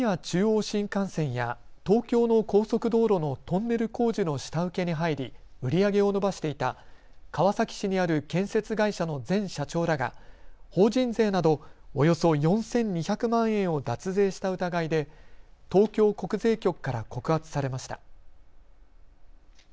中央新幹線や東京の高速道路のトンネル工事の下請けに入り売り上げを伸ばしていた川崎市にある建設会社の前社長らが法人税などおよそ４２００万円を脱税した疑いで東京国税局から告発されました。